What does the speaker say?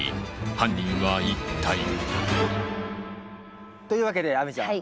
犯人は一体？というわけで亜美ちゃん。